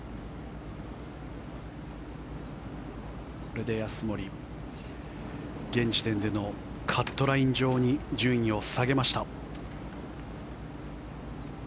これで安森現時点でのカットライン上に順位を下げました。